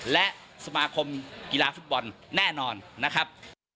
และสมาคมกีฬาฟุตบอลแน่นอนนะครับ